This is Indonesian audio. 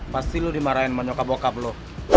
pasti lu dimarahin sama nyokap bokap lu